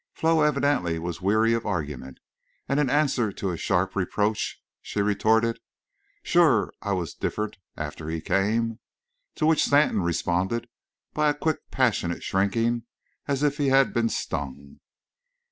Flo evidently was weary of argument, and in answer to a sharp reproach she retorted, "Shore I was different after he came." To which Stanton responded by a quick passionate shrinking as if he had been stung.